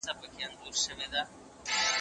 هغه د ملت د هوساینې او سوکالۍ لپاره کار وکړ.